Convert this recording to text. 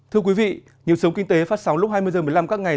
thưa quý vị nhiều sống kinh tế phát sóng lúc hai mươi h một mươi năm các ngày